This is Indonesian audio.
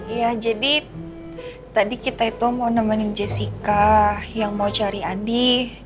iya jadi tadi kita itu mau nemenin jessica yang mau cari andi